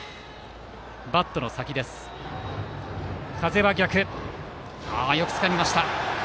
風は逆、よくつかみました。